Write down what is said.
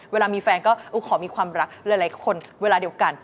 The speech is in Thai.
เวลามีแฟนก็ขอมีความรักหลายคนเวลาเดียวกัน